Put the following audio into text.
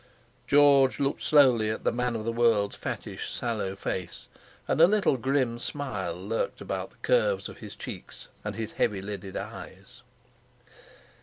George looked slowly at the "man of the world's" fattish, sallow face, and a little grim smile lurked about the curves of his cheeks and his heavy lidded eyes.